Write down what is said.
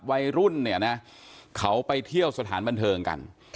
วัยรุ่นเนี่ยนะเขาไปเที่ยวสถานบันเทิงกัน